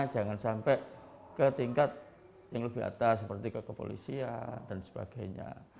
jangan sampai ke tingkat yang lebih atas seperti ke kepolisian dan sebagainya